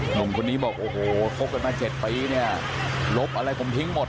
หนุ่มคนนี้บอกโอ้โหคบกันมา๗ปีเนี่ยลบอะไรผมทิ้งหมด